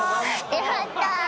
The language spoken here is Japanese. やった！